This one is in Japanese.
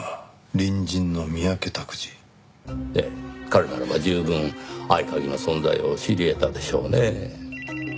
彼ならば十分合鍵の存在を知り得たでしょうねぇ。